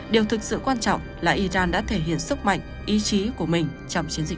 điều thực sự quan trọng là iran đã thể hiện sức mạnh ý chí của mình trong chiến dịch